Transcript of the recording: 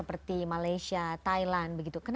terima kasih para anggulars